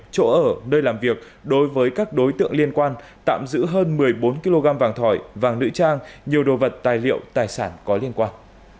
chỗ ở nơi làm việc đối với các đối tượng liên quan tạm giữ hơn một mươi bốn kg vàng thỏi vàng nữ trang nhiều đồ vật tài liệu tài sản có liên quan